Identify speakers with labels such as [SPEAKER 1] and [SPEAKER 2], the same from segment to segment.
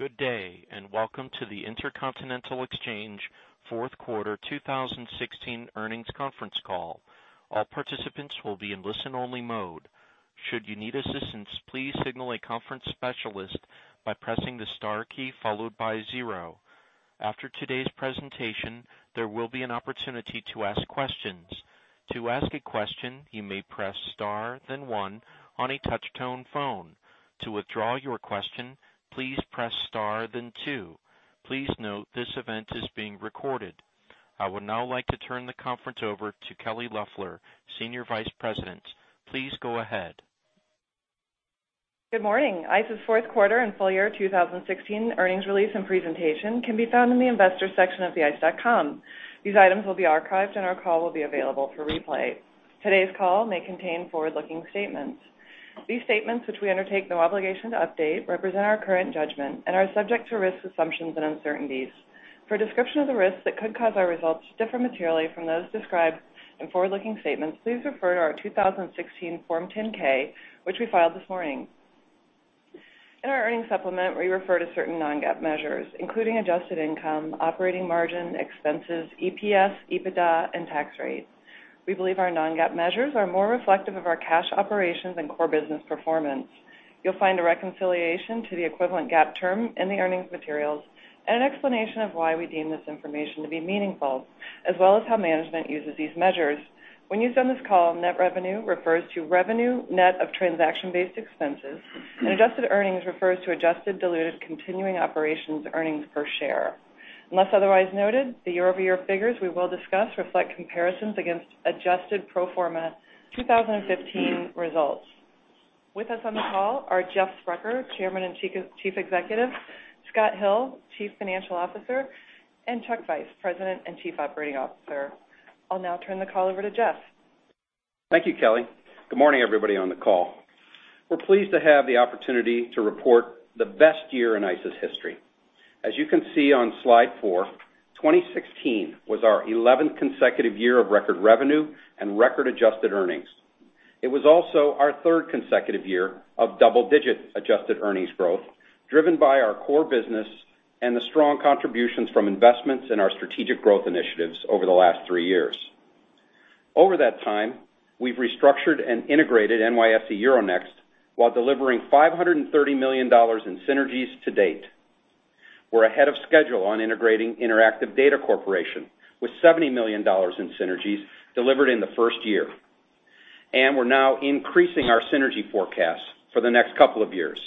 [SPEAKER 1] Good day, and welcome to the Intercontinental Exchange fourth quarter 2016 earnings conference call. All participants will be in listen-only mode. Should you need assistance, please signal a conference specialist by pressing the star key followed by zero. After today's presentation, there will be an opportunity to ask questions. To ask a question, you may press star then one on a touch-tone phone. To withdraw your question, please press star then two. Please note this event is being recorded. I would now like to turn the conference over to Kelly Loeffler, Senior Vice President. Please go ahead.
[SPEAKER 2] Good morning. ICE's fourth quarter and full year 2016 earnings release and presentation can be found in the Investors section of the ice.com. These items will be archived. Our call will be available for replay. Today's call may contain forward-looking statements. These statements, which we undertake no obligation to update, represent our current judgment and are subject to risks, assumptions, and uncertainties. For a description of the risks that could cause our results to differ materially from those described in forward-looking statements, please refer to our 2016 Form 10-K, which we filed this morning. In our earnings supplement, we refer to certain non-GAAP measures, including adjusted income, operating margin, expenses, EPS, EBITDA, and tax rates. We believe our non-GAAP measures are more reflective of our cash operations and core business performance. You'll find a reconciliation to the equivalent GAAP term in the earnings materials. An explanation of why we deem this information to be meaningful, as well as how management uses these measures. When used on this call, net revenue refers to revenue net of transaction-based expenses. Adjusted earnings refers to adjusted diluted continuing operations earnings per share. Unless otherwise noted, the year-over-year figures we will discuss reflect comparisons against adjusted pro forma 2015 results. With us on the call are Jeff Sprecher, Chairman and Chief Executive, Scott Hill, Chief Financial Officer, Chuck Vice, President and Chief Operating Officer. I'll now turn the call over to Jeff.
[SPEAKER 3] Thank you, Kelly. Good morning, everybody on the call. We're pleased to have the opportunity to report the best year in ICE's history. As you can see on slide four, 2016 was our 11th consecutive year of record revenue and record-adjusted earnings. It was also our third consecutive year of double-digit adjusted earnings growth, driven by our core business and the strong contributions from investments in our strategic growth initiatives over the last three years. Over that time, we've restructured and integrated NYSE Euronext while delivering $530 million in synergies to date. We're ahead of schedule on integrating Interactive Data Corporation, with $70 million in synergies delivered in the first year. We're now increasing our synergy forecast for the next couple of years.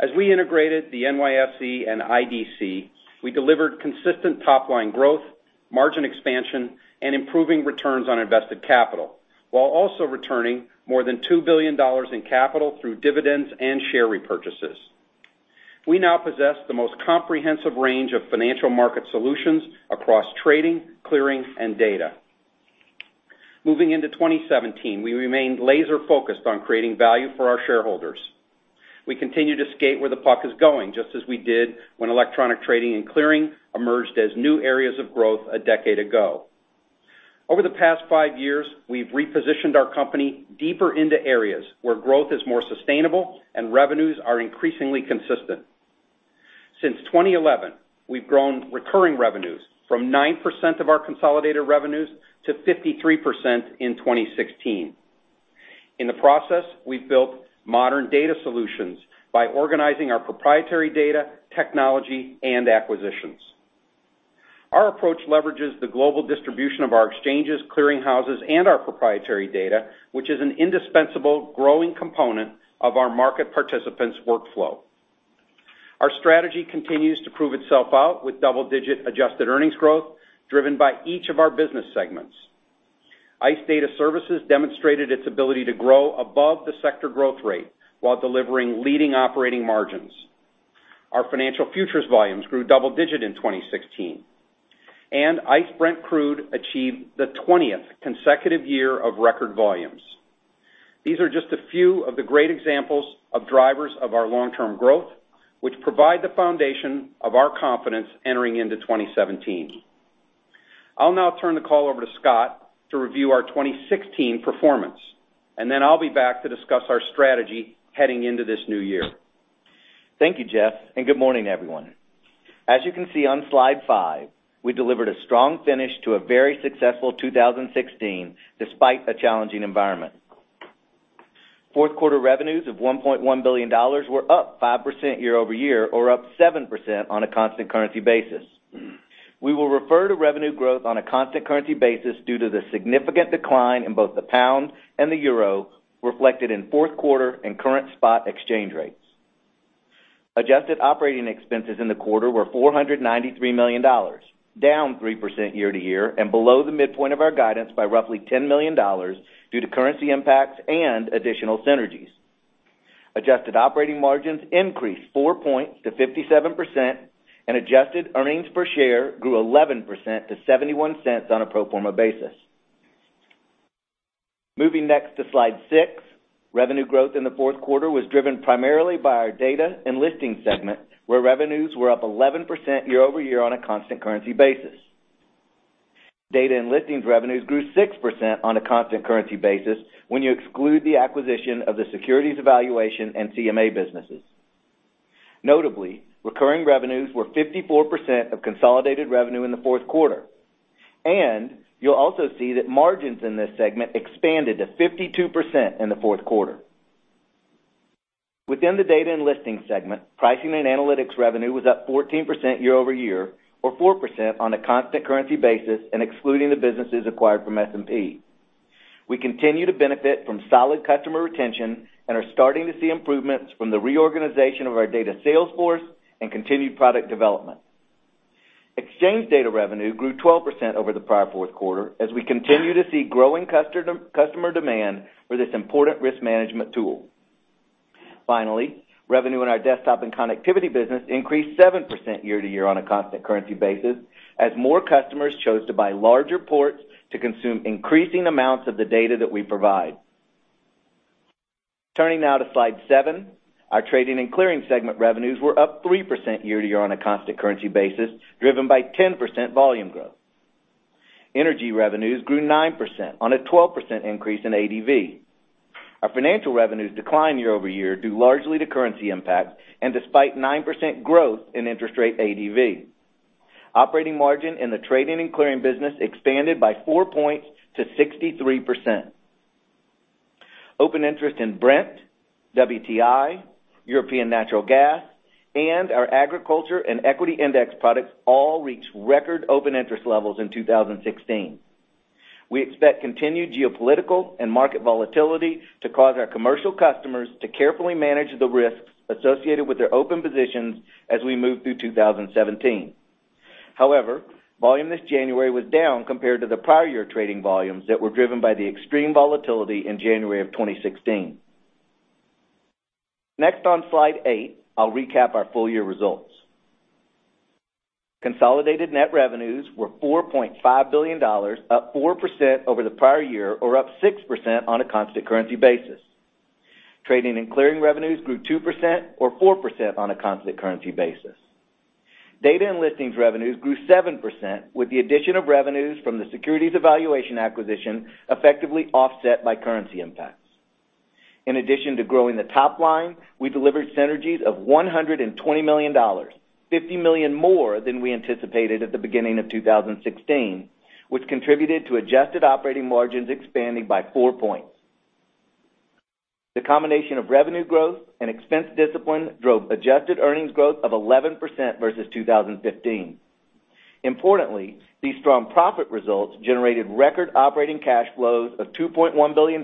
[SPEAKER 3] As we integrated the NYSE and IDC, we delivered consistent top-line growth, margin expansion, and improving returns on invested capital, while also returning more than $2 billion in capital through dividends and share repurchases. We now possess the most comprehensive range of financial market solutions across trading, clearing, and data. Moving into 2017, we remain laser-focused on creating value for our shareholders. We continue to skate where the puck is going, just as we did when electronic trading and clearing emerged as new areas of growth a decade ago. Over the past five years, we've repositioned our company deeper into areas where growth is more sustainable and revenues are increasingly consistent. Since 2011, we've grown recurring revenues from 9% of our consolidated revenues to 53% in 2016. In the process, we've built modern data solutions by organizing our proprietary data, technology, and acquisitions. Our approach leverages the global distribution of our exchanges, clearing houses, and our proprietary data, which is an indispensable growing component of our market participants' workflow. Our strategy continues to prove itself out with double-digit adjusted earnings growth driven by each of our business segments. ICE Data Services demonstrated its ability to grow above the sector growth rate while delivering leading operating margins. Our financial futures volumes grew double digits in 2016, and ICE Brent Crude achieved the 20th consecutive year of record volumes. These are just a few of the great examples of drivers of our long-term growth, which provide the foundation of our confidence entering into 2017. I'll now turn the call over to Scott to review our 2016 performance, then I'll be back to discuss our strategy heading into this new year.
[SPEAKER 4] Thank you, Jeff. Good morning, everyone. As you can see on slide five, we delivered a strong finish to a very successful 2016 despite a challenging environment. Fourth quarter revenues of $1.1 billion were up 5% year-over-year or up 7% on a constant currency basis. We will refer to revenue growth on a constant currency basis due to the significant decline in both the pound and the euro reflected in fourth quarter and current spot exchange rates. Adjusted operating expenses in the quarter were $493 million, down 3% year-to-year, and below the midpoint of our guidance by roughly $10 million due to currency impacts and additional synergies. Adjusted operating margins increased four points to 57%, and adjusted earnings per share grew 11% to $0.71 on a pro forma basis. Moving next to slide six. Revenue growth in the fourth quarter was driven primarily by our data and listing segment, where revenues were up 11% year-over-year on a constant currency basis. Data and listings revenues grew 6% on a constant currency basis when you exclude the acquisition of the Securities Evaluations and CMA businesses. Notably, recurring revenues were 54% of consolidated revenue in the fourth quarter, and you'll also see that margins in this segment expanded to 52% in the fourth quarter. Within the data and listing segment, pricing and analytics revenue was up 14% year-over-year or 4% on a constant currency basis and excluding the businesses acquired from S&P. We continue to benefit from solid customer retention and are starting to see improvements from the reorganization of our data sales force and continued product development. Exchange data revenue grew 12% over the prior fourth quarter as we continue to see growing customer demand for this important risk management tool. Finally, revenue in our desktop and connectivity business increased 7% year-over-year on a constant currency basis as more customers chose to buy larger ports to consume increasing amounts of the data that we provide. Turning now to slide seven, our trading and clearing segment revenues were up 3% year-over-year on a constant currency basis, driven by 10% volume growth. Energy revenues grew 9% on a 12% increase in ADV. Our financial revenues declined year-over-year, due largely to currency impacts and despite 9% growth in interest rate ADV. Operating margin in the trading and clearing business expanded by four points to 63%. Open interest in Brent, WTI, European Natural Gas, and our agriculture and equity index products all reached record open-interest levels in 2016. We expect continued geopolitical and market volatility to cause our commercial customers to carefully manage the risks associated with their open positions as we move through 2017. Volume this January was down compared to the prior year trading volumes that were driven by the extreme volatility in January of 2016. Next, on slide eight, I'll recap our full-year results. Consolidated net revenues were $4.5 billion, up 4% over the prior year or up 6% on a constant currency basis. Trading and clearing revenues grew 2% or 4% on a constant currency basis. Data and listings revenues grew 7% with the addition of revenues from the securities Evaluations acquisition effectively offset by currency impacts. In addition to growing the top line, we delivered synergies of $120 million, $50 million more than we anticipated at the beginning of 2016, which contributed to adjusted operating margins expanding by four points. The combination of revenue growth and expense discipline drove adjusted earnings growth of 11% versus 2015. Importantly, these strong profit results generated record operating cash flows of $2.1 billion,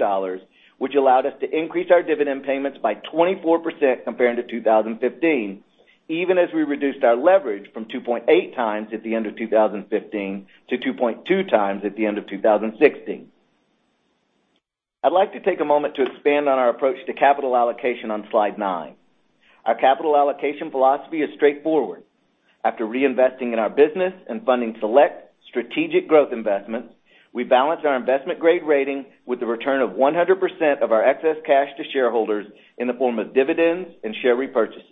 [SPEAKER 4] which allowed us to increase our dividend payments by 24% compared to 2015, even as we reduced our leverage from 2.8 times at the end of 2015 to 2.2 times at the end of 2016. I'd like to take a moment to expand on our approach to capital allocation on slide nine. Our capital allocation philosophy is straightforward. After reinvesting in our business and funding select strategic growth investments, we balance our investment-grade rating with the return of 100% of our excess cash to shareholders in the form of dividends and share repurchases.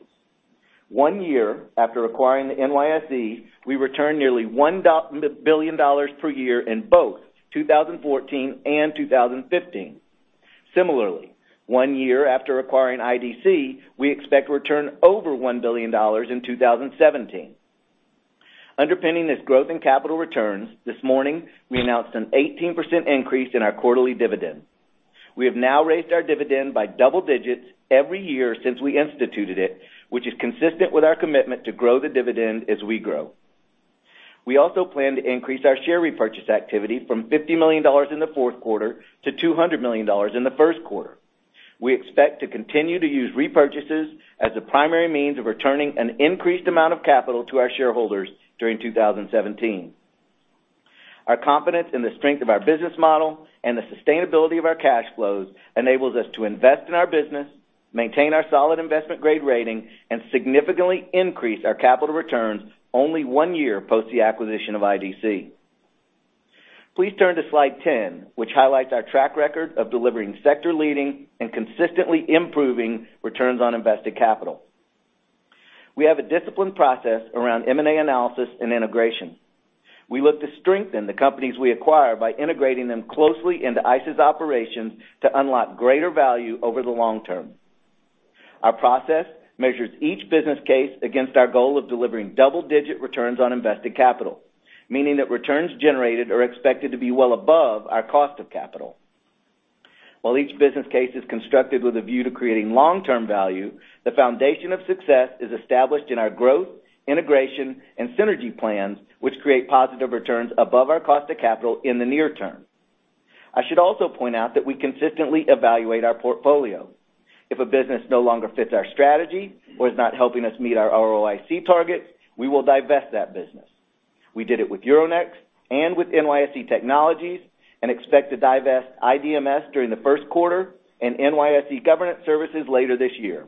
[SPEAKER 4] One year after acquiring the NYSE, we returned nearly $1 billion per year in both 2014 and 2015. Similarly, one year after acquiring IDC, we expect to return over $1 billion in 2017. Underpinning this growth in capital returns, this morning, we announced an 18% increase in our quarterly dividend. We have now raised our dividend by double digits every year since we instituted it, which is consistent with our commitment to grow the dividend as we grow. We also plan to increase our share repurchase activity from $50 million in the fourth quarter to $200 million in the first quarter. We expect to continue to use repurchases as a primary means of returning an increased amount of capital to our shareholders during 2017. Our confidence in the strength of our business model and the sustainability of our cash flows enables us to invest in our business, maintain our solid investment-grade rating, and significantly increase our capital returns only one year post the acquisition of IDC. Please turn to slide 10, which highlights our track record of delivering sector-leading and consistently improving returns on invested capital. We have a disciplined process around M&A analysis and integration. We look to strengthen the companies we acquire by integrating them closely into ICE's operations to unlock greater value over the long term. Our process measures each business case against our goal of delivering double-digit returns on invested capital, meaning that returns generated are expected to be well above our cost of capital. While each business case is constructed with a view to creating long-term value, the foundation of success is established in our growth, integration, and synergy plans, which create positive returns above our cost of capital in the near term. I should also point out that we consistently evaluate our portfolio. If a business no longer fits our strategy or is not helping us meet our ROIC target, we will divest that business. We did it with Euronext and with NYSE Technologies, and expect to divest IDMS during the first quarter and NYSE Governance Services later this year.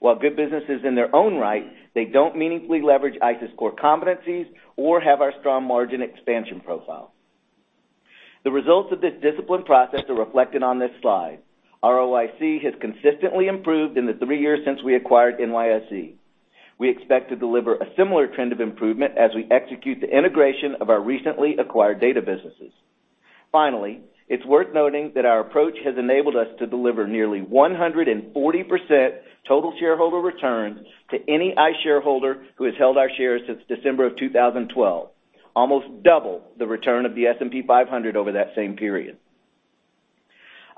[SPEAKER 4] While good businesses in their own right, they don't meaningfully leverage ICE's core competencies or have our strong margin expansion profile. The results of this disciplined process are reflected on this slide. ROIC has consistently improved in the three years since we acquired NYSE. We expect to deliver a similar trend of improvement as we execute the integration of our recently acquired data businesses. It's worth noting that our approach has enabled us to deliver nearly 140% total shareholder return to any ICE shareholder who has held our shares since December of 2012, almost double the return of the S&P 500 over that same period.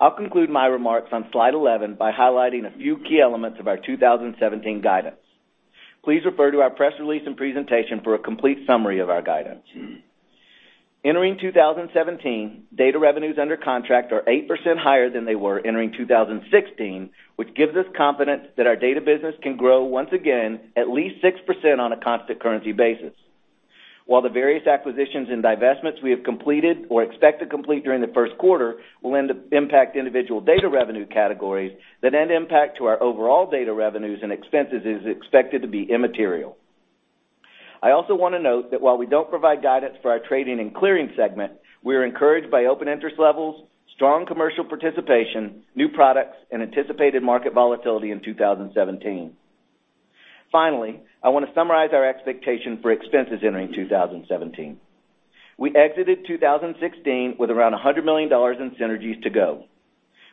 [SPEAKER 4] I'll conclude my remarks on slide 11 by highlighting a few key elements of our 2017 guidance. Please refer to our press release and presentation for a complete summary of our guidance. Entering 2017, data revenues under contract are 8% higher than they were entering 2016, which gives us confidence that our data business can grow once again at least 6% on a constant currency basis. While the various acquisitions and divestments we have completed or expect to complete during the first quarter will impact individual data revenue categories, the net impact to our overall data revenues and expenses is expected to be immaterial. I also want to note that while we don't provide guidance for our trading and clearing segment, we are encouraged by open interest levels, strong commercial participation, new products, and anticipated market volatility in 2017. I want to summarize our expectation for expenses entering 2017. We exited 2016 with around $100 million in synergies to go.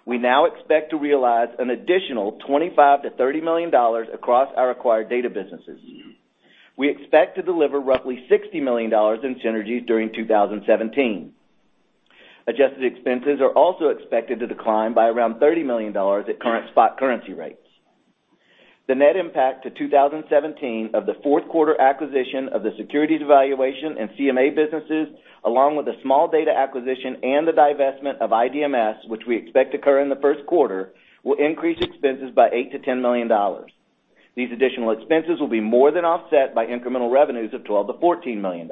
[SPEAKER 4] We now expect to realize an additional $25 million-$30 million across our acquired data businesses. We expect to deliver roughly $60 million in synergies during 2017. Adjusted expenses are also expected to decline by around $30 million at current spot currency rates. The net impact to 2017 of the fourth quarter acquisition of the securities valuation and CMA businesses, along with the small data acquisition and the divestment of IDMS, which we expect to occur in the first quarter, will increase expenses by $8 million to $10 million. These additional expenses will be more than offset by incremental revenues of $12 million to $14 million.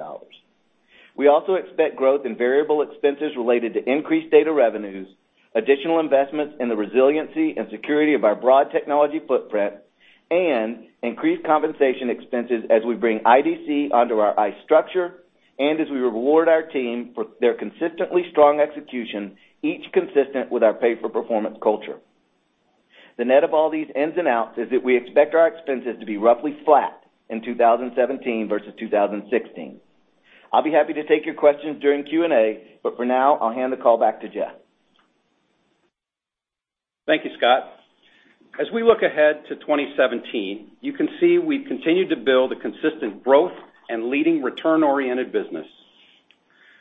[SPEAKER 4] We also expect growth in variable expenses related to increased data revenues, additional investments in the resiliency and security of our broad technology footprint, and increased compensation expenses as we bring IDC under our ICE structure, and as we reward our team for their consistently strong execution, each consistent with our pay-for-performance culture. The net of all these ins and outs is that we expect our expenses to be roughly flat in 2017 versus 2016. I'll be happy to take your questions during Q&A, for now, I'll hand the call back to Jeff.
[SPEAKER 3] Thank you, Scott. As we look ahead to 2017, you can see we've continued to build a consistent growth and leading return-oriented business.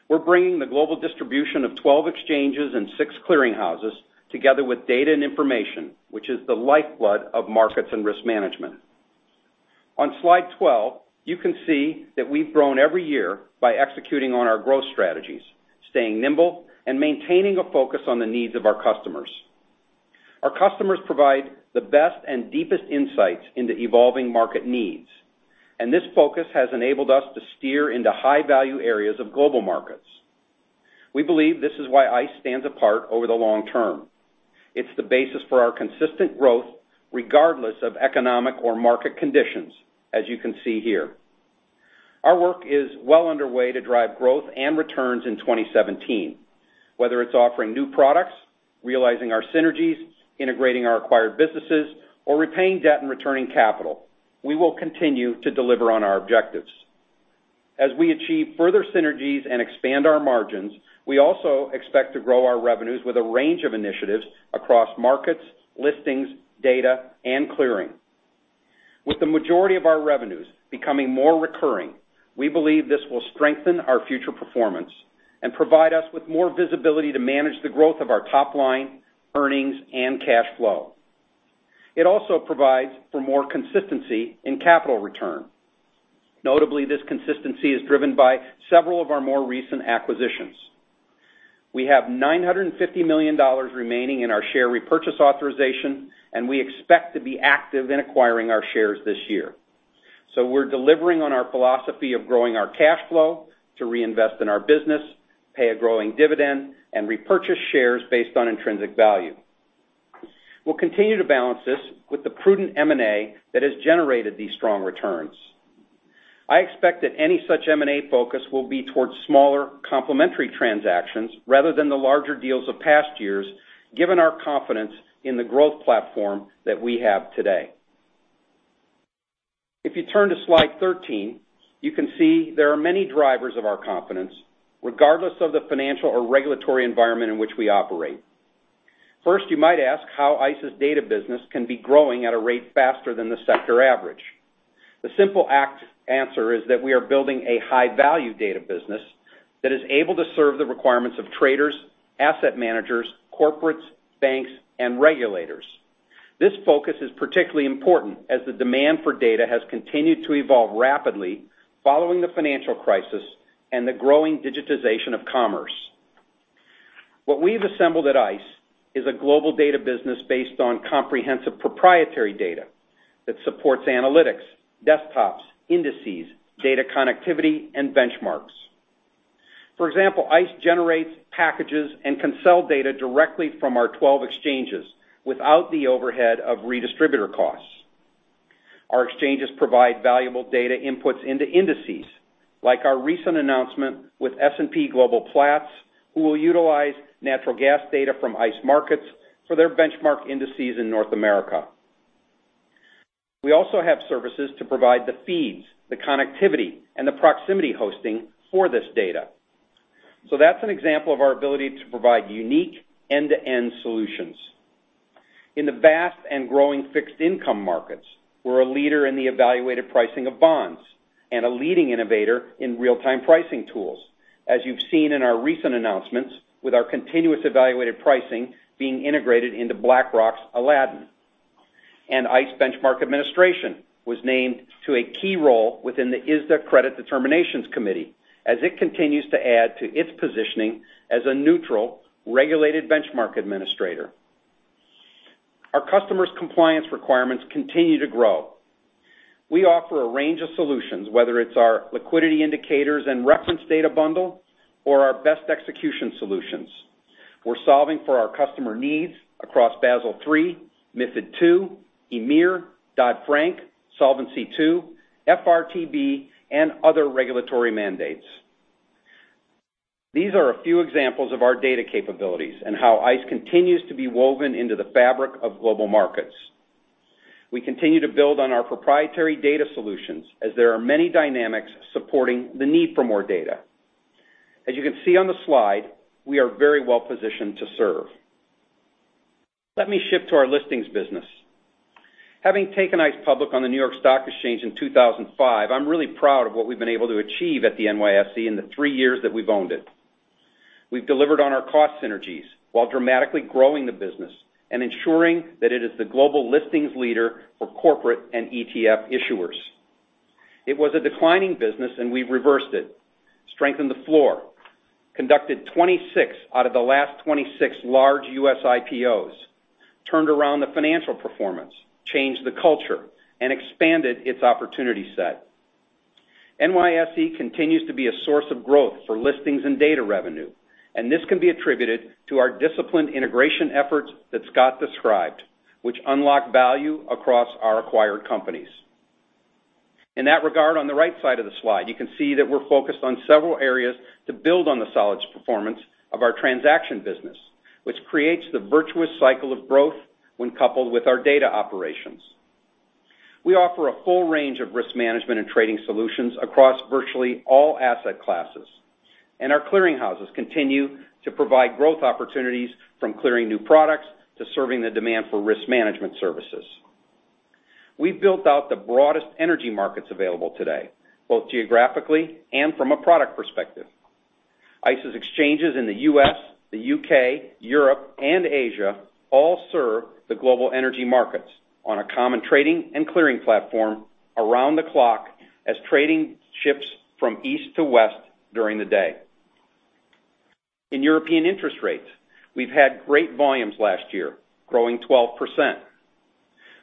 [SPEAKER 3] We're bringing the global distribution of 12 exchanges and six clearing houses together with data and information, which is the lifeblood of markets and risk management. On slide 12, you can see that we've grown every year by executing on our growth strategies, staying nimble, and maintaining a focus on the needs of our customers. This focus has enabled us to steer into high-value areas of global markets. We believe this is why ICE stands apart over the long term. It's the basis for our consistent growth, regardless of economic or market conditions, as you can see here. Our work is well underway to drive growth and returns in 2017. Whether it's offering new products, realizing our synergies, integrating our acquired businesses, or repaying debt and returning capital, we will continue to deliver on our objectives. As we achieve further synergies and expand our margins, we also expect to grow our revenues with a range of initiatives across markets, listings, data, and clearing. With the majority of our revenues becoming more recurring, we believe this will strengthen our future performance and provide us with more visibility to manage the growth of our top line, earnings, and cash flow. It also provides for more consistency in capital return. Notably, this consistency is driven by several of our more recent acquisitions. We have $950 million remaining in our share repurchase authorization, we expect to be active in acquiring our shares this year. We're delivering on our philosophy of growing our cash flow to reinvest in our business, pay a growing dividend, and repurchase shares based on intrinsic value. We'll continue to balance this with the prudent M&A that has generated these strong returns. I expect that any such M&A focus will be towards smaller complementary transactions rather than the larger deals of past years, given our confidence in the growth platform that we have today. If you turn to slide 13, you can see there are many drivers of our confidence, regardless of the financial or regulatory environment in which we operate. First, you might ask how ICE's data business can be growing at a rate faster than the sector average. The simple answer is that we are building a high-value data business that is able to serve the requirements of traders, asset managers, corporates, banks, and regulators. This focus is particularly important as the demand for data has continued to evolve rapidly following the financial crisis and the growing digitization of commerce. What we've assembled at ICE is a global data business based on comprehensive proprietary data that supports analytics, desktops, indices, data connectivity, and benchmarks. For example, ICE generates packages and can sell data directly from our 12 exchanges without the overhead of redistributor costs. Our exchanges provide valuable data inputs into indices, like our recent announcement with S&P Global Platts, who will utilize natural gas data from ICE markets for their benchmark indices in North America. We also have services to provide the feeds, the connectivity, and the proximity hosting for this data. That's an example of our ability to provide unique end-to-end solutions. In the vast and growing fixed income markets, we're a leader in the evaluated pricing of bonds, and a leading innovator in real-time pricing tools. As you've seen in our recent announcements, with our continuous evaluated pricing being integrated into BlackRock's Aladdin. ICE Benchmark Administration was named to a key role within the ISDA Credit Determinations Committee, as it continues to add to its positioning as a neutral, regulated benchmark administrator. Our customers' compliance requirements continue to grow. We offer a range of solutions, whether it's our liquidity indicators and reference data bundle, or our best execution solutions. We're solving for our customer needs across Basel III, MiFID II, EMIR, Dodd-Frank, Solvency II, FRTB, and other regulatory mandates. These are a few examples of our data capabilities and how ICE continues to be woven into the fabric of global markets. We continue to build on our proprietary data solutions as there are many dynamics supporting the need for more data. As you can see on the slide, we are very well-positioned to serve. Let me shift to our listings business. Having taken ICE public on the New York Stock Exchange in 2005, I'm really proud of what we've been able to achieve at the NYSE in the three years that we've owned it. We've delivered on our cost synergies while dramatically growing the business and ensuring that it is the global listings leader for corporate and ETF issuers. It was a declining business, and we've reversed it, strengthened the floor, conducted 26 out of the last 26 large U.S. IPOs, turned around the financial performance, changed the culture, and expanded its opportunity set. NYSE continues to be a source of growth for listings and data revenue. This can be attributed to our disciplined integration efforts that Scott described, which unlock value across our acquired companies. In that regard, on the right side of the slide, you can see that we're focused on several areas to build on the solid performance of our transaction business, which creates the virtuous cycle of growth when coupled with our data operations. We offer a full range of risk management and trading solutions across virtually all asset classes. Our clearing houses continue to provide growth opportunities from clearing new products to serving the demand for risk management services. We've built out the broadest energy markets available today, both geographically and from a product perspective. ICE's exchanges in the U.S., the U.K., Europe, and Asia all serve the global energy markets on a common trading and clearing platform around the clock as trading shifts from east to west during the day. In European interest rates, we've had great volumes last year, growing 12%.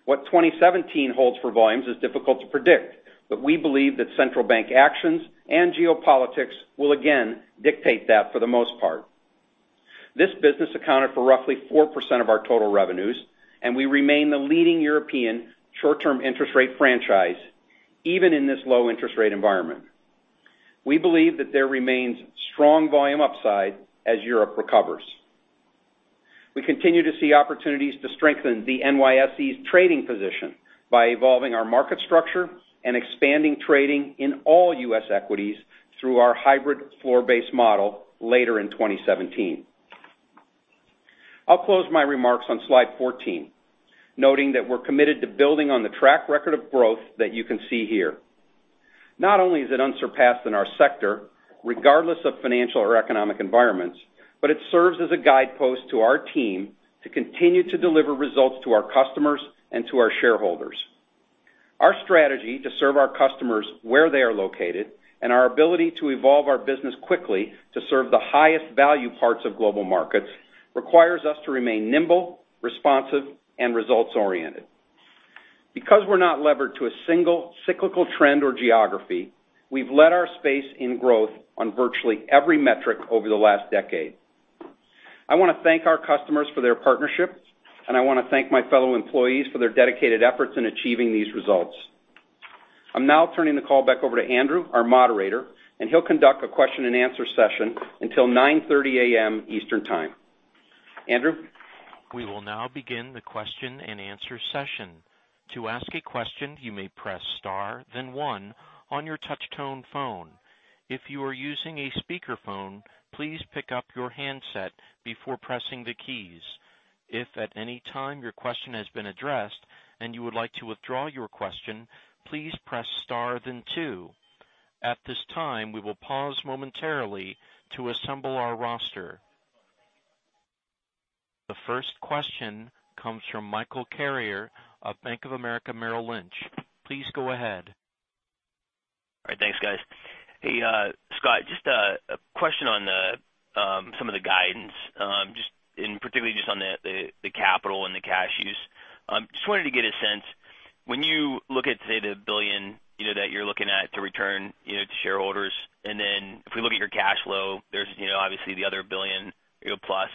[SPEAKER 3] What 2017 holds for volumes is difficult to predict, but we believe that central bank actions and geopolitics will again dictate that for the most part. This business accounted for roughly 4% of our total revenues. We remain the leading European short-term interest rate franchise, even in this low interest rate environment. We believe that there remains strong volume upside as Europe recovers. We continue to see opportunities to strengthen the NYSE's trading position by evolving our market structure and expanding trading in all U.S. equities through our hybrid floor-based model later in 2017. I'll close my remarks on slide 14, noting that we're committed to building on the track record of growth that you can see here. Not only is it unsurpassed in our sector, regardless of financial or economic environments, but it serves as a guidepost to our team to continue to deliver results to our customers and to our shareholders. Our strategy to serve our customers where they are located, and our ability to evolve our business quickly to serve the highest value parts of global markets, requires us to remain nimble, responsive, and results-oriented. Because we're not levered to a single cyclical trend or geography, we've led our space in growth on virtually every metric over the last decade. I want to thank our customers for their partnership. I want to thank my fellow employees for their dedicated efforts in achieving these results. I'm now turning the call back over to Andrew, our moderator. He'll conduct a question and answer session until 9:30 A.M. Eastern Time. Andrew?
[SPEAKER 1] We will now begin the question and answer session. To ask a question, you may press star then one on your touch tone phone. If you are using a speakerphone, please pick up your handset before pressing the keys. If at any time your question has been addressed and you would like to withdraw your question, please press star then two. At this time, we will pause momentarily to assemble our roster. The first question comes from Michael Carrier of Bank of America Merrill Lynch. Please go ahead.
[SPEAKER 5] All right. Thanks, guys. Hey, Scott, just a question on some of the guidance. Just in particular, just on the capital and the cash use. Just wanted to get a sense, when you look at, say, the $1 billion that you're looking at to return to shareholders, and then if we look at your cash flow obviously the other $1 billion plus.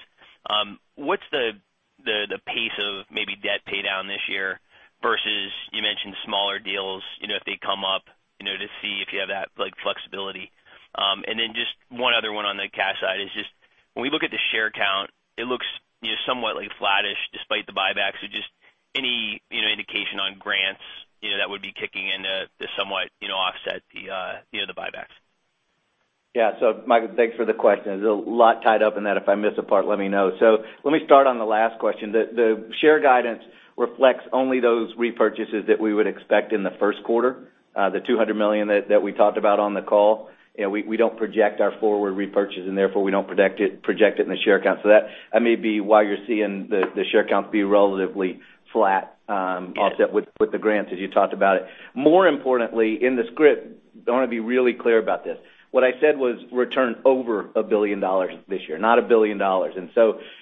[SPEAKER 5] What's the pace of maybe debt pay down this year versus, you mentioned smaller deals, if they come up, to see if you have that flexibility. Just one other one on the cash side is just when we look at the share count, it looks somewhat flattish despite the buyback. Just any indication on grants that would be kicking in to somewhat offset the buybacks?
[SPEAKER 4] Yeah. Michael, thanks for the question. There's a lot tied up in that. If I miss a part, let me know. Let me start on the last question. The share guidance reflects only those repurchases that we would expect in the first quarter, the $200 million that we talked about on the call. We don't project our forward repurchase and therefore we don't project it in the share count. That may be why you're seeing the share count be relatively flat-
[SPEAKER 5] Got it
[SPEAKER 4] offset with the grants as you talked about it. More importantly, in the script, I want to be really clear about this. What I said was return over $1 billion this year, not $1 billion.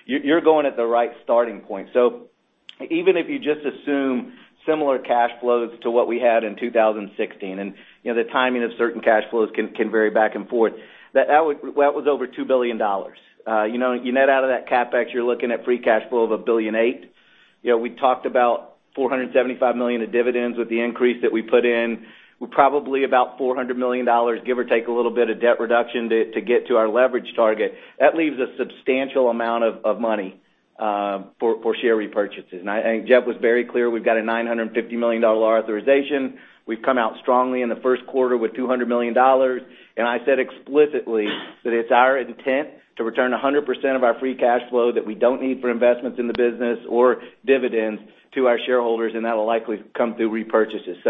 [SPEAKER 4] You're going at the right starting point. Even if you just assume similar cash flows to what we had in 2016, and the timing of certain cash flows can vary back and forth, that was over $2 billion. You net out of that CapEx, you're looking at free cash flow of $1.8 billion. We talked about $475 million of dividends with the increase that we put in, probably about $400 million, give or take a little bit of debt reduction to get to our leverage target. That leaves a substantial amount of money for share repurchases. I think Jeff was very clear, we've got a $950 million authorization. We've come out strongly in the first quarter with $200 million. I said explicitly that it's our intent to return 100% of our free cash flow that we don't need for investments in the business or dividends to our shareholders, and that'll likely come through repurchases.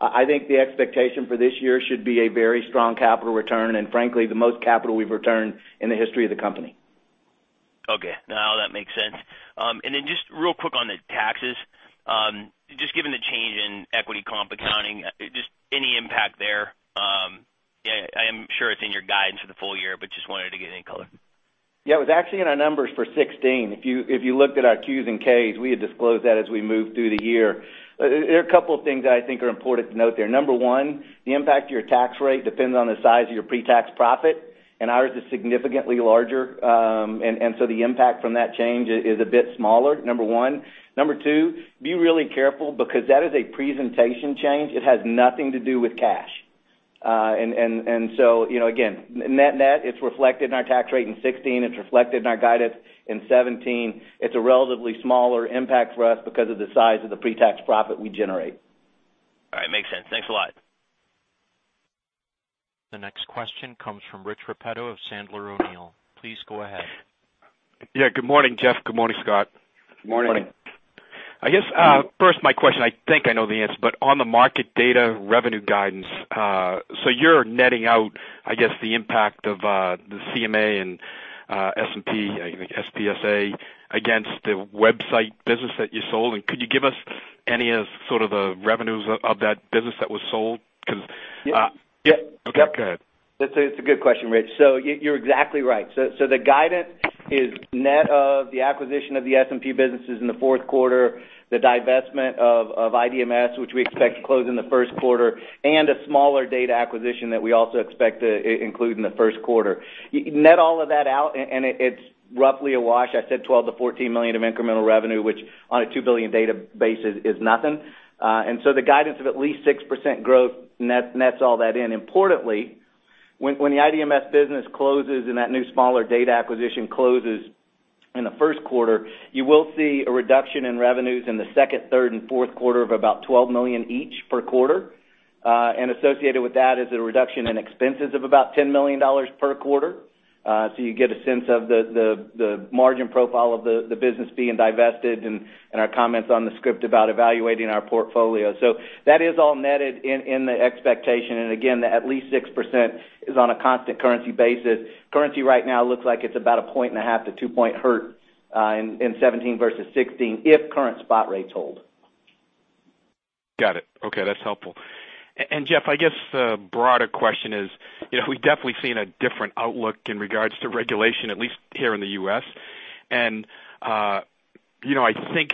[SPEAKER 4] I think the expectation for this year should be a very strong capital return, and frankly, the most capital we've returned in the history of the company.
[SPEAKER 5] Okay. No, that makes sense. Just real quick on the taxes. Just given the change in equity comp accounting, just any impact there? I'm sure it's in your guidance for the full year, but just wanted to get any color.
[SPEAKER 4] Yeah, it was actually in our numbers for 2016. If you looked at our Qs and Ks, we had disclosed that as we moved through the year. There are a couple of things that I think are important to note there. Number one, the impact to your tax rate depends on the size of your pre-tax profit, and ours is significantly larger. Number two, be really careful because that is a presentation change. It has nothing to do with cash. Again, net, it's reflected in our tax rate in 2016. It's reflected in our guidance in 2017. It's a relatively smaller impact for us because of the size of the pre-tax profit we generate.
[SPEAKER 5] All right. Makes sense. Thanks a lot.
[SPEAKER 1] The next question comes from Rich Repetto of Sandler O'Neill. Please go ahead.
[SPEAKER 6] Yeah. Good morning, Jeff. Good morning, Scott.
[SPEAKER 4] Good morning.
[SPEAKER 6] I guess, first my question, I think I know the answer, on the market data revenue guidance, you're netting out, I guess, the impact of the CMA and S&P, SPSE, against the website business that you sold, and could you give us any of sort of the revenues of that business that was sold?
[SPEAKER 4] Yeah.
[SPEAKER 6] Okay, go ahead.
[SPEAKER 4] That's a good question, Rich. You're exactly right. The guidance is net of the acquisition of the S&P businesses in the fourth quarter, the divestment of IDMS, which we expect to close in the first quarter, and a smaller data acquisition that we also expect to include in the first quarter. You net all of that out, it's roughly a wash. I said $12 million-$14 million of incremental revenue, which on a $2 billion data basis is nothing. The guidance of at least 6% growth nets all that in. Importantly, when the IDMS business closes and that new smaller data acquisition closes in the first quarter, you will see a reduction in revenues in the second, third, and fourth quarter of about $12 million each per quarter. Associated with that is a reduction in expenses of about $10 million per quarter. You get a sense of the margin profile of the business being divested and our comments on the script about evaluating our portfolio. That is all netted in the expectation, again, at least 6% is on a constant currency basis. Currency right now looks like it's about a point and a half to two-point hurt in 2017 versus 2016 if current spot rates hold.
[SPEAKER 6] Got it. Okay. That's helpful. Jeff, I guess the broader question is, we've definitely seen a different outlook in regards to regulation, at least here in the U.S. I think,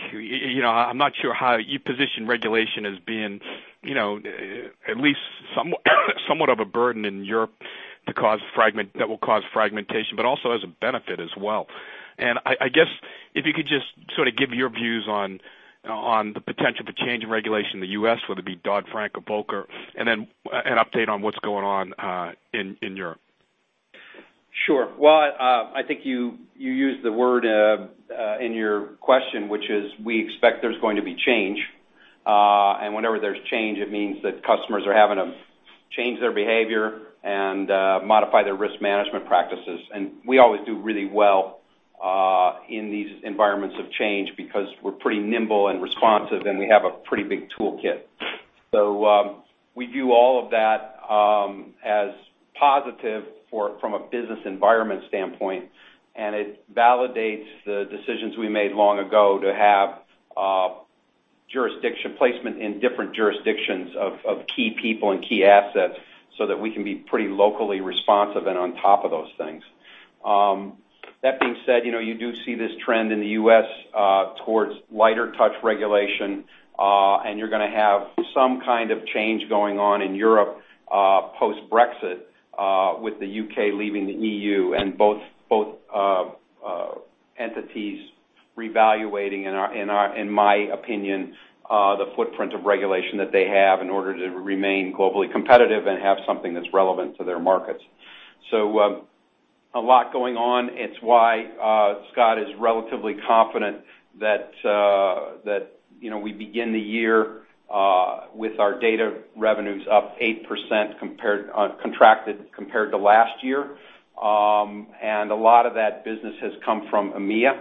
[SPEAKER 6] I'm not sure how you position regulation as being at least somewhat of a burden in Europe that will cause fragmentation, but also as a benefit as well. I guess if you could just sort of give your views on the potential for change in regulation in the U.S., whether it be Dodd-Frank or Volcker, and then an update on what's going on in Europe.
[SPEAKER 3] Sure. Well, I think you used the word in your question, which is we expect there's going to be change. Whenever there's change, it means that customers are having to change their behavior and modify their risk management practices. We always do really well in these environments of change because we're pretty nimble and responsive, and we have a pretty big toolkit. We view all of that as positive from a business environment standpoint, and it validates the decisions we made long ago to have jurisdiction placement in different jurisdictions of key people and key assets so that we can be pretty locally responsive and on top of those things. That being said, you do see this trend in the U.S. towards lighter touch regulation, you're going to have some kind of change going on in Europe, post-Brexit, with the U.K. leaving the EU, both entities reevaluating, in my opinion, the footprint of regulation that they have in order to remain globally competitive and have something that's relevant to their markets. A lot going on. It's why Scott is relatively confident that we begin the year with our data revenues up 8% contracted compared to last year. A lot of that business has come from EMEA,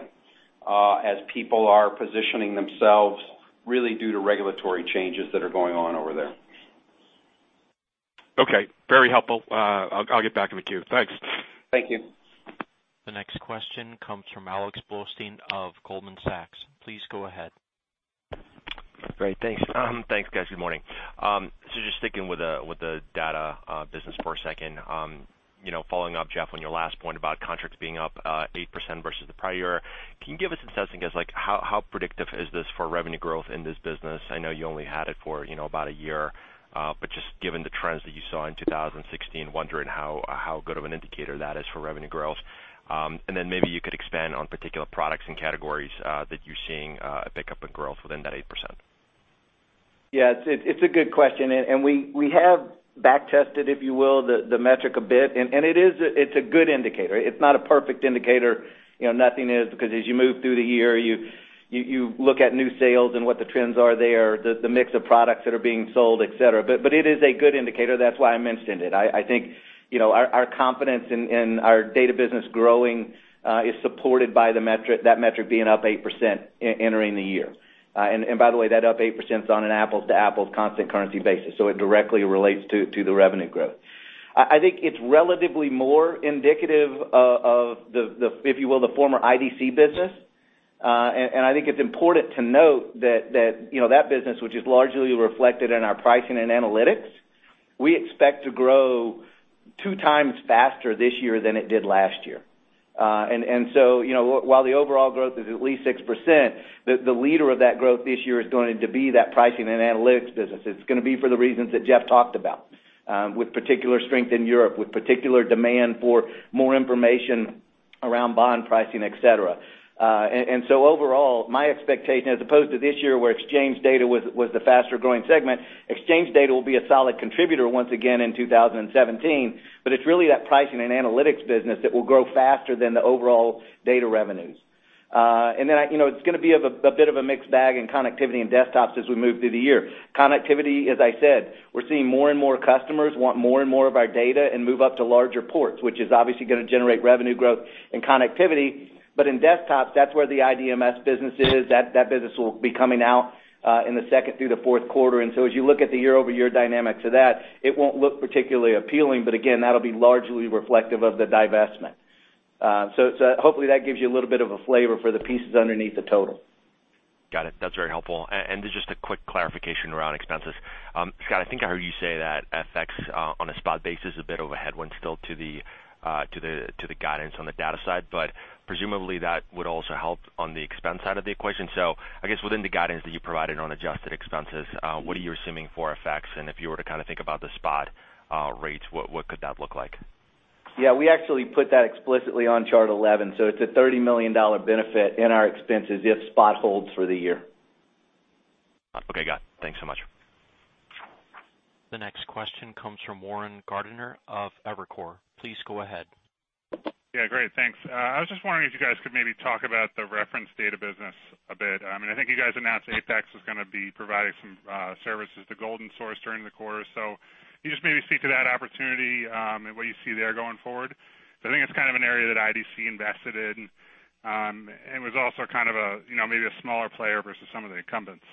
[SPEAKER 3] as people are positioning themselves really due to regulatory changes that are going on over there.
[SPEAKER 6] Okay. Very helpful. I'll get back with you. Thanks.
[SPEAKER 3] Thank you.
[SPEAKER 1] The next question comes from Alexander Blostein of Goldman Sachs. Please go ahead.
[SPEAKER 7] Great, thanks. Thanks, guys. Good morning. Just sticking with the data business for a second. Following up, Jeff, on your last point about contracts being up 8% versus the prior year, can you give us a sense in, like, how predictive is this for revenue growth in this business? I know you only had it for about a year. Just given the trends that you saw in 2016, wondering how good of an indicator that is for revenue growth. Then maybe you could expand on particular products and categories that you're seeing a pickup in growth within that 8%.
[SPEAKER 4] Yeah, it's a good question, and we have back-tested, if you will, the metric a bit, and it's a good indicator. It's not a perfect indicator. Nothing is, because as you move through the year, you look at new sales and what the trends are there, the mix of products that are being sold, et cetera. It is a good indicator, that's why I mentioned it. I think our confidence in our data business growing is supported by that metric being up 8% entering the year. By the way, that up 8% is on an apples-to-apples constant currency basis, so it directly relates to the revenue growth. I think it's relatively more indicative of the, if you will, the former IDC business. I think it's important to note that that business, which is largely reflected in our pricing and analytics, we expect to grow two times faster this year than it did last year. While the overall growth is at least 6%, the leader of that growth this year is going to be that pricing and analytics business. It's going to be for the reasons that Jeff talked about, with particular strength in Europe, with particular demand for more information around bond pricing, et cetera. Overall, my expectation, as opposed to this year where exchange data was the faster-growing segment, exchange data will be a solid contributor once again in 2017, but it's really that pricing and analytics business that will grow faster than the overall data revenues. It's going to be a bit of a mixed bag in connectivity and desktops as we move through the year. Connectivity, as I said, we're seeing more and more customers want more and more of our data and move up to larger ports, which is obviously going to generate revenue growth in connectivity. In desktops, that's where the IDMS business is. That business will be coming out in the second through the fourth quarter. As you look at the year-over-year dynamic to that, it won't look particularly appealing, but again, that'll be largely reflective of the divestment. Hopefully, that gives you a little bit of a flavor for the pieces underneath the total.
[SPEAKER 7] Got it. That's very helpful. Just a quick clarification around expenses. Scott, I think I heard you say that FX on a spot basis, a bit of a headwind still to the guidance on the data side, but presumably, that would also help on the expense side of the equation. I guess within the guidance that you provided on adjusted expenses, what are you assuming for FX? If you were to kind of think about the spot rates, what could that look like?
[SPEAKER 4] We actually put that explicitly on chart 11. It's a $30 million benefit in our expenses if spot holds for the year.
[SPEAKER 7] Okay, got it. Thanks so much.
[SPEAKER 1] The next question comes from Warren Gardiner of Evercore. Please go ahead.
[SPEAKER 8] Yeah, great. Thanks. I was just wondering if you guys could maybe talk about the reference data business a bit. I think you guys announced APEX is going to be providing some services to GoldenSource during the quarter. Can you just maybe speak to that opportunity, and what you see there going forward? I think it's kind of an area that IDC invested in, and was also kind of maybe a smaller player versus some of the incumbents.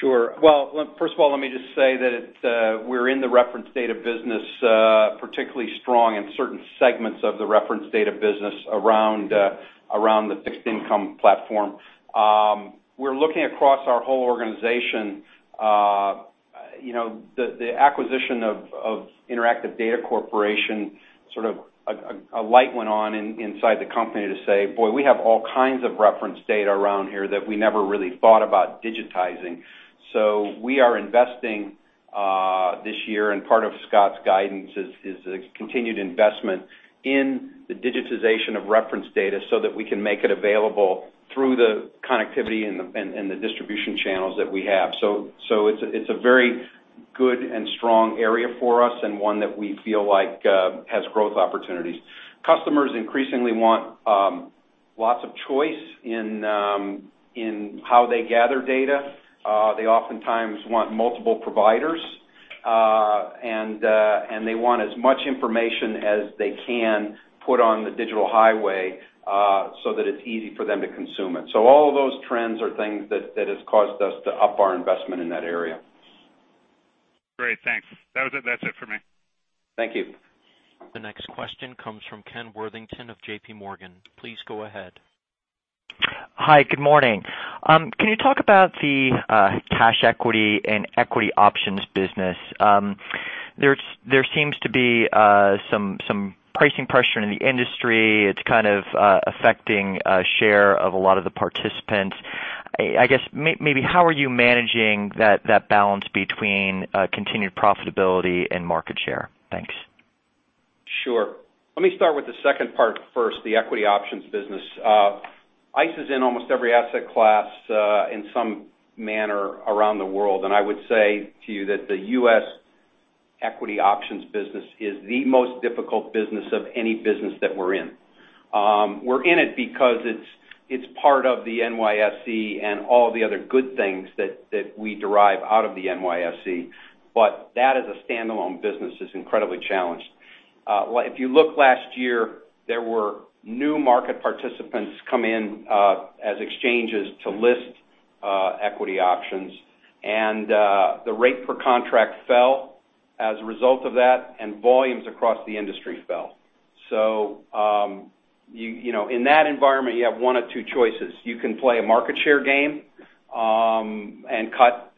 [SPEAKER 3] Sure. Well, first of all, let me just say that we're in the reference data business, particularly strong in certain segments of the reference data business around the fixed income platform. We're looking across our whole organization. The acquisition of Interactive Data Corporation, sort of a light went on inside the company to say, "Boy, we have all kinds of reference data around here that we never really thought about digitizing." We are investing this year, and part of Scott's guidance is a continued investment in the digitization of reference data so that we can make it available through the connectivity and the distribution channels that we have. It's a very good and strong area for us, and one that we feel like has growth opportunities. Customers increasingly want lots of choice in how they gather data. They oftentimes want multiple providers, they want as much information as they can put on the digital highway, so that it's easy for them to consume it. All of those trends are things that have caused us to up our investment in that area.
[SPEAKER 8] Great, thanks. That's it for me.
[SPEAKER 3] Thank you.
[SPEAKER 1] The next question comes from Ken Worthington of JPMorgan. Please go ahead.
[SPEAKER 9] Hi, good morning. Can you talk about the cash equity and equity options business? There seems to be some pricing pressure in the industry. It's kind of affecting share of a lot of the participants. I guess, maybe how are you managing that balance between continued profitability and market share? Thanks.
[SPEAKER 3] Sure. Let me start with the second part first, the equity options business. ICE is in almost every asset class, in some manner around the world, and I would say to you that the U.S. equity options business is the most difficult business of any business that we're in. We're in it because it's part of the NYSE and all the other good things that we derive out of the NYSE, but that, as a standalone business, is incredibly challenged. If you look last year, there were new market participants come in, as exchanges to list equity options, and the rate per contract fell as a result of that, and volumes across the industry fell. In that environment, you have one of two choices. You can play a market share game, and cut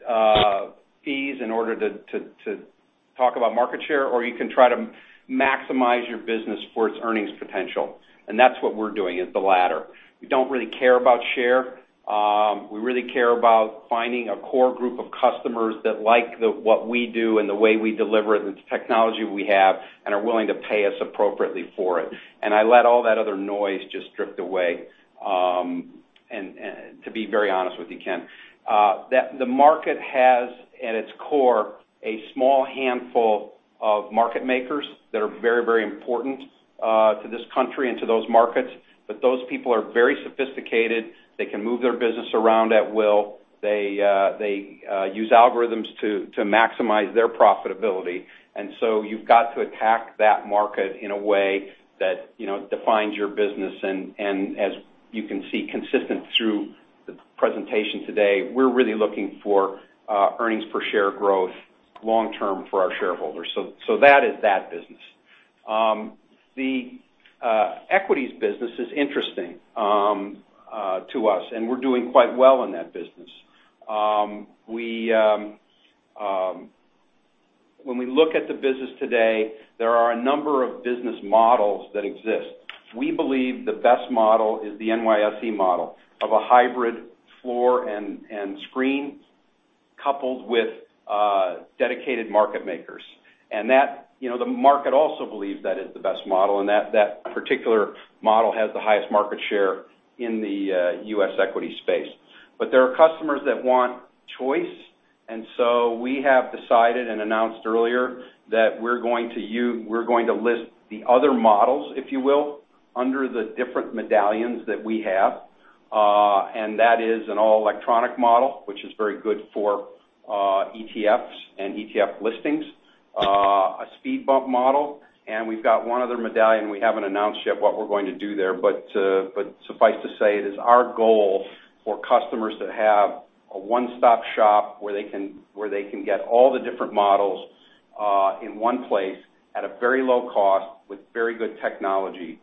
[SPEAKER 3] fees in order to talk about market share, or you can try to maximize your business for its earnings potential. That's what we're doing, is the latter. We don't really care about share. We really care about finding a core group of customers that like what we do and the way we deliver the technology we have and are willing to pay us appropriately for it. I let all that other noise just drift away. To be very honest with you, Ken, the market has, at its core, a small handful of market makers that are very important to this country and to those markets. Those people are very sophisticated. They can move their business around at will. They use algorithms to maximize their profitability. You've got to attack that market in a way that defines your business. As you can see, consistent through the presentation today, we're really looking for earnings per share growth long-term for our shareholders. That is that business. The equities business is interesting to us, and we're doing quite well in that business. When we look at the business today, there are a number of business models that exist. We believe the best model is the NYSE model of a hybrid floor and screen coupled with dedicated market makers. The market also believes that is the best model and that particular model has the highest market share in the U.S. equity space. There are customers that want choice, and so we have decided and announced earlier that we're going to list the other models, if you will, under the different medallions that we have. That is an all-electronic model, which is very good for ETFs and ETF listings, a speed bump model, and we've got one other medallion, we haven't announced yet what we're going to do there, but suffice to say, it is our goal for customers to have a one-stop shop where they can get all the different models in one place at a very low cost with very good technology.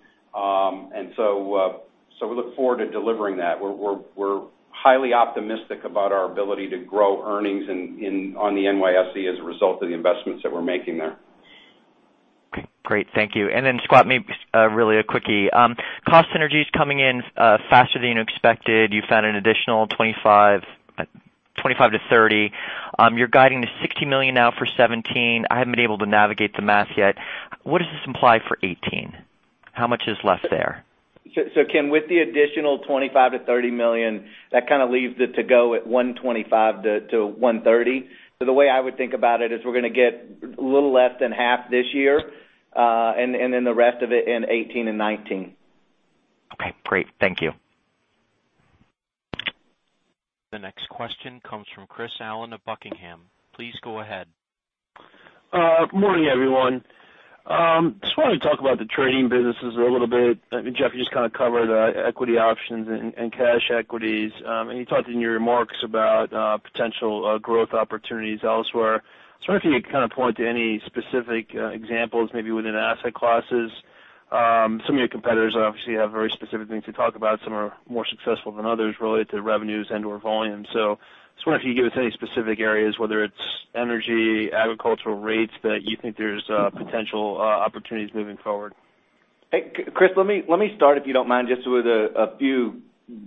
[SPEAKER 3] We look forward to delivering that. We're highly optimistic about our ability to grow earnings on the NYSE as a result of the investments that we're making there.
[SPEAKER 9] Okay, great. Thank you. Scott, maybe just really a quickie. Cost synergies coming in faster than expected. You found an additional $25 million-$30 million. You're guiding to $60 million now for 2017. I haven't been able to navigate the math yet. What does this imply for 2018? How much is left there?
[SPEAKER 4] Ken, with the additional $25 million-$30 million, that kind of leaves it to go at $125 million-$130 million. The way I would think about it is we're going to get a little less than half this year, and then the rest of it in 2018 and 2019.
[SPEAKER 9] Okay, great. Thank you.
[SPEAKER 1] The next question comes from Chris Allen of Buckingham. Please go ahead.
[SPEAKER 10] Good morning, everyone. Just wanted to talk about the trading businesses a little bit. Jeff, you just kind of covered equity options and cash equities. You talked in your remarks about potential growth opportunities elsewhere. Just wondering if you could kind of point to any specific examples, maybe within asset classes. Some of your competitors obviously have very specific things to talk about. Some are more successful than others related to revenues and/or volume. Just wondering if you could give us any specific areas, whether it's energy, agricultural rates, that you think there's potential opportunities moving forward.
[SPEAKER 4] Hey, Chris, let me start, if you don't mind, just with a few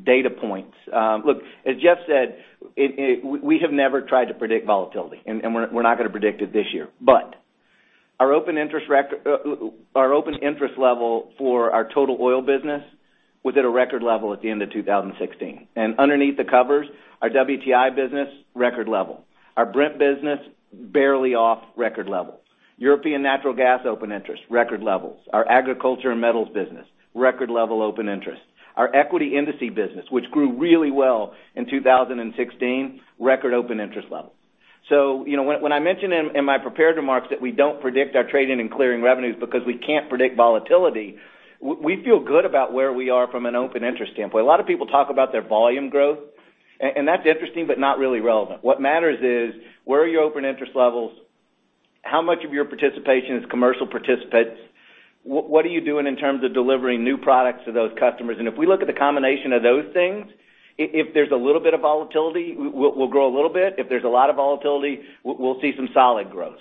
[SPEAKER 4] data points. Look, as Jeff said, we have never tried to predict volatility, and we're not going to predict it this year. Our open interest level for our total oil business was at a record level at the end of 2016. Underneath the covers, our WTI business, record level. Our Brent business, barely off record level. European Natural Gas open interest, record levels. Our agriculture and metals business, record level open interest. Our equity indices business, which grew really well in 2016, record open interest level. When I mentioned in my prepared remarks that we don't predict our trading and clearing revenues because we can't predict volatility, we feel good about where we are from an open interest standpoint. A lot of people talk about their volume growth, that's interesting, but not really relevant. What matters is, where are your open interest levels? How much of your participation is commercial participants? What are you doing in terms of delivering new products to those customers? If we look at the combination of those things, if there's a little bit of volatility, we'll grow a little bit. If there's a lot of volatility, we'll see some solid growth.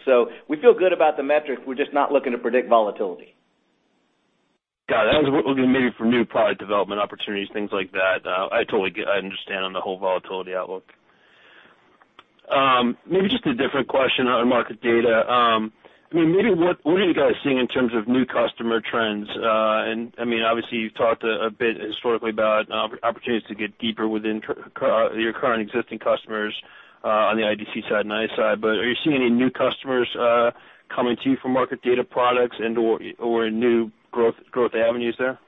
[SPEAKER 4] We feel good about the metrics. We're just not looking to predict volatility.
[SPEAKER 10] Got it. That was looking maybe for new product development opportunities, things like that. I totally understand on the whole volatility outlook. Maybe just a different question on market data. Maybe what are you guys seeing in terms of new customer trends? Obviously, you've talked a bit historically about opportunities to get deeper within your current existing customers, on the IDC side and ICE side. Are you seeing any new customers coming to you for market data products and/or new growth avenues there?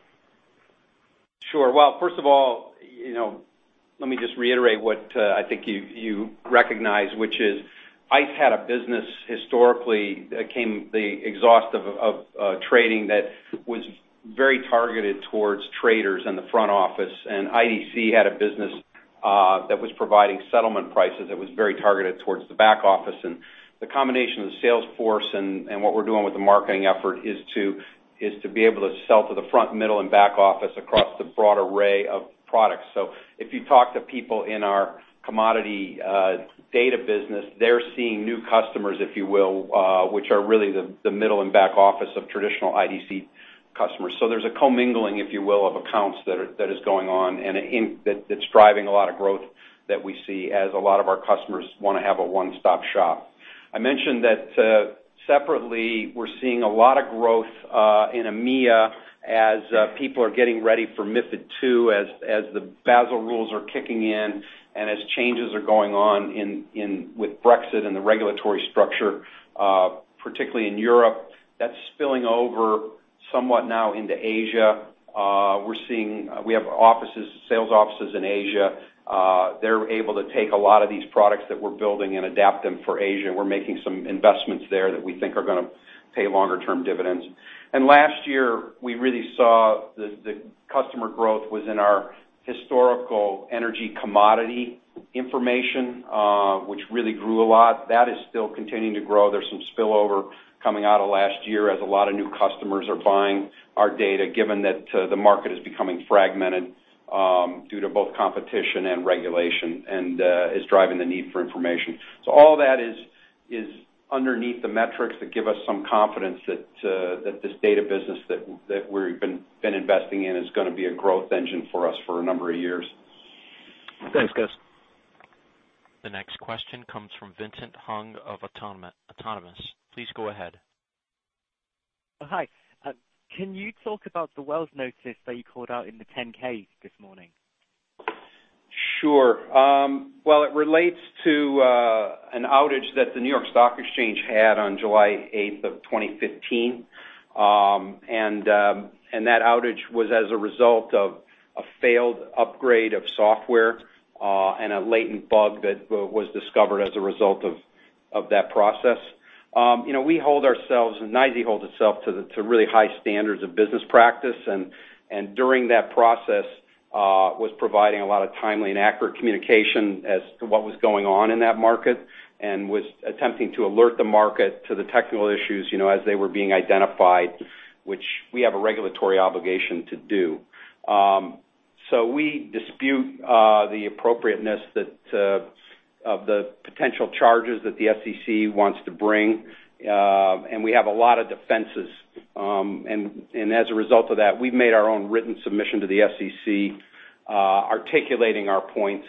[SPEAKER 11] Sure. Well, first of all, let me just reiterate what I think you recognize, which is ICE had a business historically that came the exhaust of trading that was very targeted towards traders in the front office, and IDC had a business that was providing settlement prices that was very targeted towards the back office. The combination of the sales force and what we're doing with the marketing effort is to be able to sell to the front, middle, and back office across the broad array of products. If you talk to people in our commodity data business, they're seeing new customers, if you will, which are really the middle and back office of traditional IDC customers. There's a co-mingling, if you will, of accounts that is going on, and that's driving a lot of growth that we see as a lot of our customers want to have a one-stop shop. I mentioned that separately, we're seeing a lot of growth in EMEA as people are getting ready for MiFID II, as the Basel rules are kicking in, and as changes are going on with Brexit and the regulatory structure, particularly in Europe. That's spilling over somewhat now into Asia. We have sales offices in Asia. They're able to take a lot of these products that we're building and adapt them for Asia. We're making some investments there that we think are going to pay longer-term dividends. Last year, we really saw the customer growth was in our historical energy commodity information, which really grew a lot. That is still continuing to grow. There's some spillover coming out of last year as a lot of new customers are buying our data, given that the market is becoming fragmented due to both competition and regulation, and is driving the need for information. All that is underneath the metrics that give us some confidence that this data business that we've been investing in is going to be a growth engine for us for a number of years.
[SPEAKER 10] Thanks, guys.
[SPEAKER 1] The next question comes from Vincent Hung of Autonomous. Please go ahead.
[SPEAKER 12] Hi. Can you talk about the Wells notice that you called out in the 10-K this morning?
[SPEAKER 11] Sure. Well, it relates to an outage that the New York Stock Exchange had on July 8th of 2015. That outage was as a result of a failed upgrade of software, and a latent bug that was discovered as a result of that process. NYSE holds itself to really high standards of business practice, and during that process, was providing a lot of timely and accurate communication as to what was going on in that market, and was attempting to alert the market to the technical issues, as they were being identified, which we have a regulatory obligation to do. We dispute the appropriateness of the potential charges that the SEC wants to bring. We have a lot of defenses. As a result of that, we've made our own written submission to the SEC, articulating our points,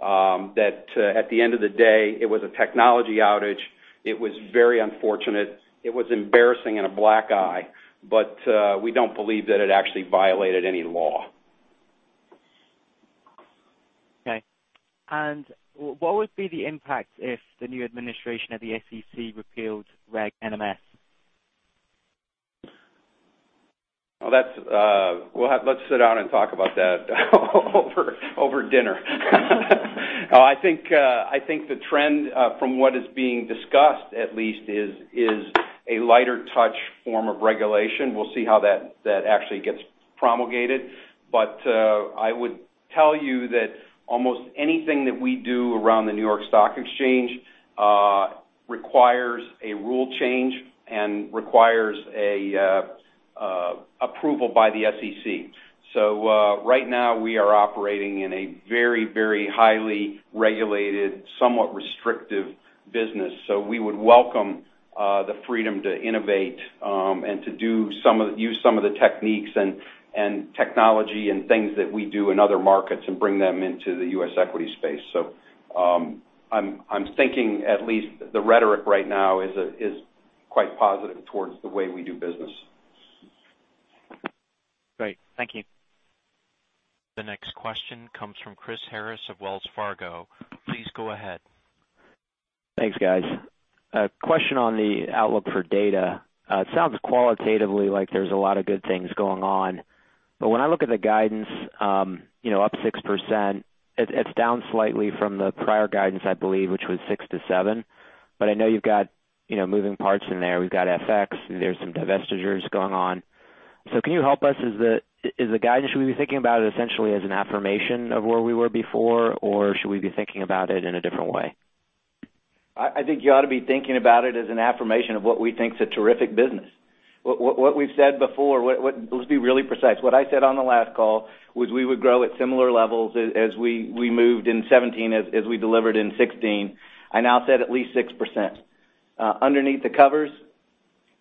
[SPEAKER 11] that at the end of the day, it was a technology outage. It was very unfortunate. It was embarrassing and a black eye, but we don't believe that it actually violated any law.
[SPEAKER 12] Okay. What would be the impact if the new administration at the SEC repealed Reg NMS?
[SPEAKER 11] Let's sit down and talk about that over dinner. I think the trend from what is being discussed, at least, is a lighter touch form of regulation. We'll see how that actually gets promulgated. I would tell you that almost anything that we do around the New York Stock Exchange requires a rule change and requires approval by the SEC. Right now, we are operating in a very, very highly regulated, somewhat restrictive business. We would welcome the freedom to innovate, and to use some of the techniques and technology and things that we do in other markets and bring them into the U.S. equity space. I'm thinking at least the rhetoric right now is quite positive towards the way we do business.
[SPEAKER 12] Great. Thank you.
[SPEAKER 1] The next question comes from Chris Harris of Wells Fargo. Please go ahead.
[SPEAKER 13] Thanks, guys. A question on the outlook for data. It sounds qualitatively like there's a lot of good things going on. When I look at the guidance, up 6%, it's down slightly from the prior guidance, I believe, which was 6%-7%. I know you've got moving parts in there. We've got FX. There's some divestitures going on. Can you help us? Is the guidance, should we be thinking about it essentially as an affirmation of where we were before, or should we be thinking about it in a different way?
[SPEAKER 4] I think you ought to be thinking about it as an affirmation of what we think is a terrific business. What we've said before, let's be really precise. What I said on the last call was we would grow at similar levels as we moved in 2017 as we delivered in 2016. I now said at least 6%.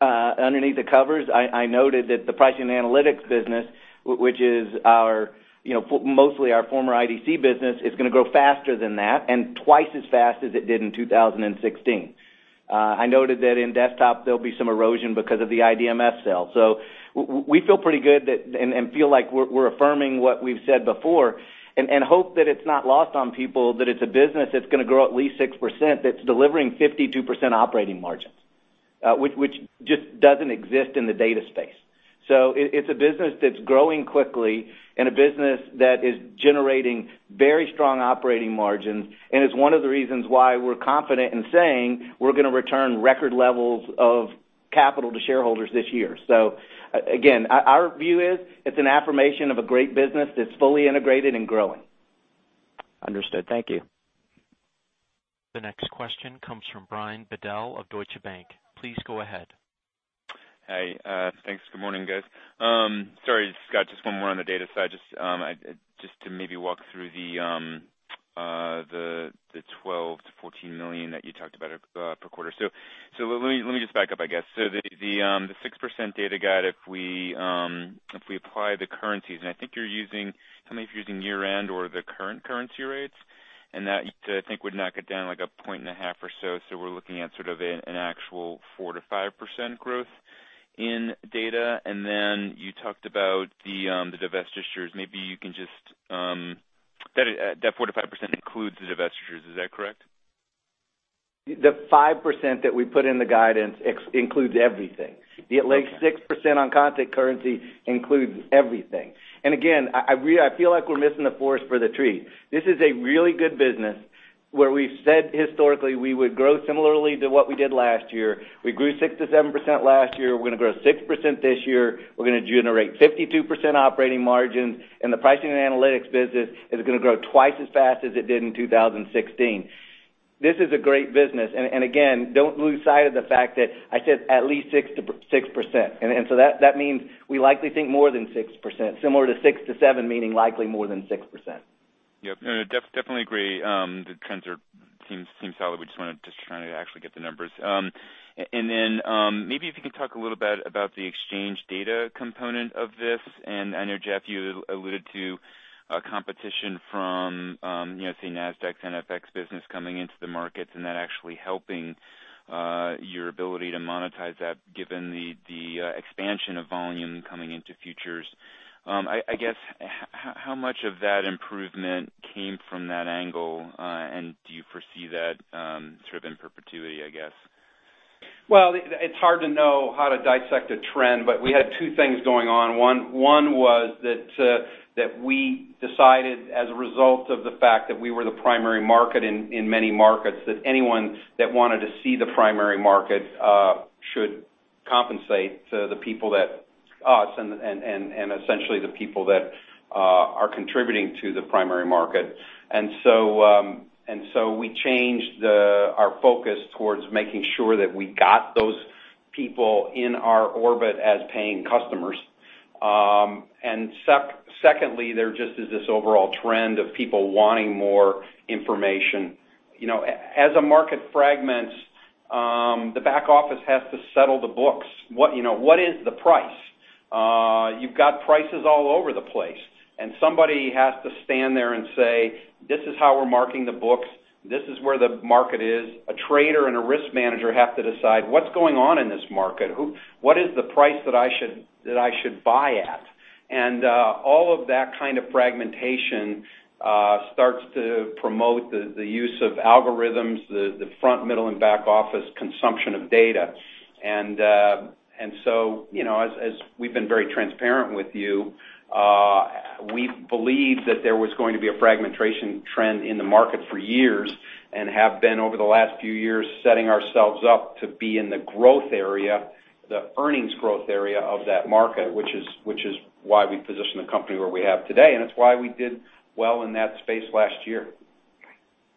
[SPEAKER 4] Underneath the covers, I noted that the pricing analytics business, which is mostly our former IDC business, is going to grow faster than that and twice as fast as it did in 2016. I noted that in desktop, there'll be some erosion because of the IDMS sale. We feel pretty good, and feel like we're affirming what we've said before, and hope that it's not lost on people, that it's a business that's going to grow at least 6%, that's delivering 52% operating margins, which just doesn't exist in the data space. It's a business that's growing quickly and a business that is generating very strong operating margins, and it's one of the reasons why we're confident in saying we're going to return record levels of capital to shareholders this year. Again, our view is, it's an affirmation of a great business that's fully integrated and growing.
[SPEAKER 13] Understood. Thank you.
[SPEAKER 1] The next question comes from Brian Bedell of Deutsche Bank. Please go ahead.
[SPEAKER 14] Hi. Thanks. Good morning, guys. Sorry, Scott, just one more on the data side. Just to maybe walk through the $12 million-$14 million that you talked about per quarter. Let me just back up, I guess. The 6% data guide, if we apply the currencies, and I think, I don't know if you're using year-end or the current currency rates, and that, I think, would knock it down like a point and a half or so. We're looking at sort of an actual 4%-5% growth in data. You talked about the divestitures. That 4%-5% includes the divestitures, is that correct?
[SPEAKER 4] The 5% that we put in the guidance includes everything.
[SPEAKER 14] Okay.
[SPEAKER 4] 6% on constant currency includes everything. Again, I feel like we're missing the forest for the trees. This is a really good business where we've said historically we would grow similarly to what we did last year. We grew 6%-7% last year. We're going to grow 6% this year. We're going to generate 52% operating margins, and the pricing and analytics business is going to grow twice as fast as it did in 2016. This is a great business, again, don't lose sight of the fact that I said at least 6% that means we likely think more than 6%, similar to 6%-7%, meaning likely more than 6%.
[SPEAKER 14] Yep. No, definitely agree. The trends seem solid. We're just trying to actually get the numbers. Maybe if you can talk a little bit about the exchange data component of this. I know, Jeff, you alluded to competition from, say, Nasdaq's NFX business coming into the markets and that actually helping your ability to monetize that given the expansion of volume coming into futures. I guess, how much of that improvement came from that angle? Do you foresee that sort of in perpetuity, I guess?
[SPEAKER 4] Well, it's hard to know how to dissect a trend. We had two things going on. One was that we decided, as a result of the fact that we were the primary market in many markets, that anyone that wanted to see the primary market should compensate us, and essentially the people that are contributing to the primary market. We changed our focus towards making sure that we got those people in our orbit as paying customers. Secondly, there just is this overall trend of people wanting more information. As a market fragments, the back office has to settle the books. What is the price? You've got prices all over the place, and somebody has to stand there and say, "This is how we're marking the books. This is where the market is." A trader and a risk manager have to decide, "What's going on in this market? What is the price that I should buy at?" All of that kind of fragmentation starts to promote the use of algorithms, the front, middle, and back office consumption of data. As we've been very transparent with you, we believed that there was going to be a fragmentation trend in the market for years, and have been, over the last few years, setting ourselves up to be in the growth area, the earnings growth area of that market, which is why we position the company where we have today, and it's why we did well in that space last year.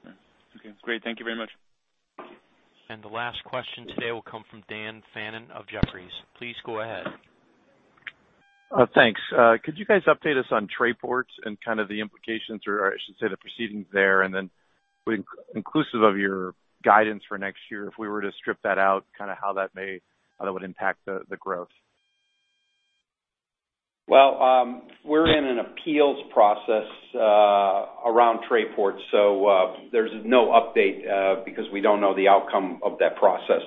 [SPEAKER 14] Okay. Great. Thank you very much.
[SPEAKER 1] The last question today will come from Dan Fannon of Jefferies. Please go ahead.
[SPEAKER 15] Thanks. Could you guys update us on Trayport and kind of the implications, or I should say, the proceedings there, and then inclusive of your guidance for next year, if we were to strip that out, how that would impact the growth?
[SPEAKER 4] Well, we're in an appeals process around Trayport, so there's no update because we don't know the outcome of that process.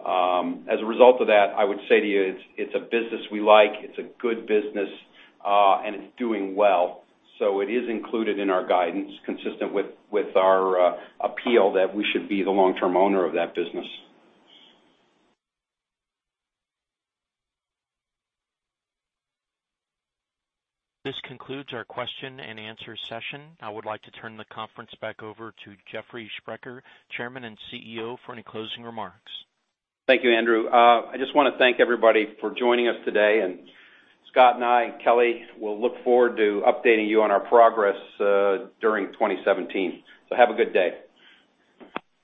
[SPEAKER 4] As a result of that, I would say to you, it's a business we like. It's a good business. It's doing well. It is included in our guidance, consistent with our appeal that we should be the long-term owner of that business.
[SPEAKER 1] This concludes our question and answer session. I would like to turn the conference back over to Jeffrey Sprecher, Chairman and CEO, for any closing remarks.
[SPEAKER 3] Thank you, Andrew. I just want to thank everybody for joining us today, and Scott and I and Kelly will look forward to updating you on our progress during 2017. Have a good day.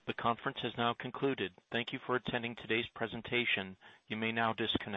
[SPEAKER 1] The conference has now concluded. Thank you for attending today's presentation. You may now disconnect.